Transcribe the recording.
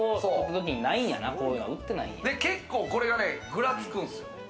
結構これがね、ぐらつくんすよ。